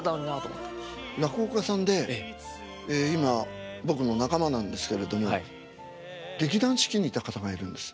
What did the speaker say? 落語家さんで今僕の仲間なんですけれども劇団四季にいた方がいるんです。